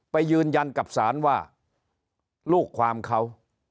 ไปยืนยันกับศาลว่าลูกความเขา